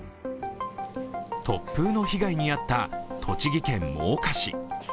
突風の被害に遭った栃木県真岡市。